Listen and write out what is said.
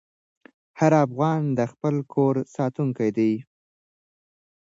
هر افغان د خپل کور ساتونکی دی.